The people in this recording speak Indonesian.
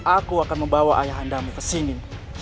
aku akan membawa ayah anda kesini